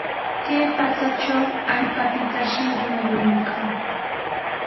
Kay pachatraw allpapitashi runa yurirqan.